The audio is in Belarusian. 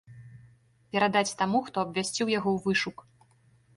Перадаць таму, хто абвясціў яго ў вышук.